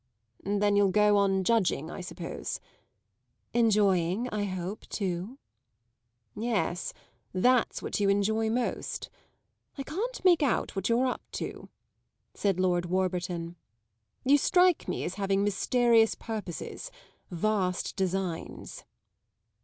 "Then you'll go on judging, I suppose." "Enjoying, I hope, too." "Yes, that's what you enjoy most; I can't make out what you're up to," said Lord Warburton. "You strike me as having mysterious purposes vast designs."